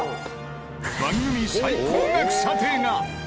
番組最高額査定が！